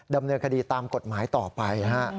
ดำเนื้อคดีตามกฎหมายต่อไปนะครับ